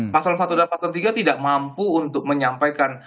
pasal satu dan pasal tiga tidak mampu untuk menyampaikan